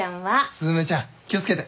雀ちゃん気を付けて。